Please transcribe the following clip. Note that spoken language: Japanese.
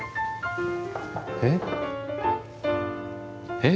えっ？